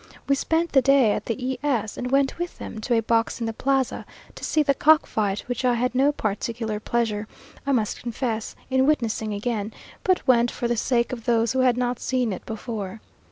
We spent the day at the E s, and went with them to a box in the plaza to see the cock fight, which I had no particular pleasure, I must confess, in witnessing again, but went for the sake of those who had not seen it before.